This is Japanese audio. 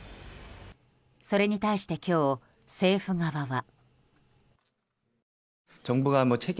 それに対して今日、政府側は。